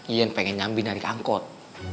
ian pengen nyambi narik angkot